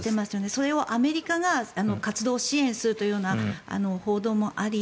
それをアメリカが活動を支援するということもあり